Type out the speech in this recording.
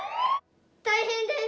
大変です。